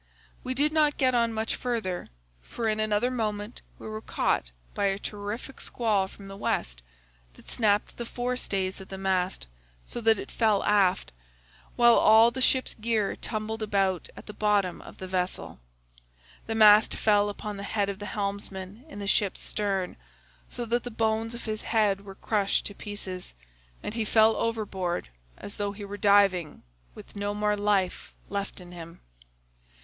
We did not get on much further, for in another moment we were caught by a terrific squall from the West that snapped the forestays of the mast so that it fell aft, while all the ship's gear tumbled about at the bottom of the vessel. The mast fell upon the head of the helmsman in the ship's stern, so that the bones of his head were crushed to pieces, and he fell overboard as though he were diving, with no more life left in him.